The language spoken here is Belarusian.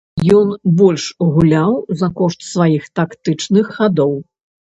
Ён больш гуляў за кошт сваіх тактычных хадоў.